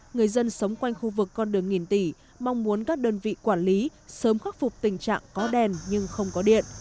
người dân sống quanh khu vực con đường nghìn tỷ mong muốn các đơn vị quản lý sớm khắc phục tình trạng có đèn nhưng không có điện